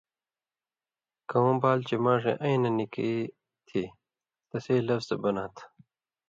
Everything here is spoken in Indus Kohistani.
کؤں بال چے ماݜیں اَیں نہ نِکیۡ تھی تسے لفظ بناں تھہ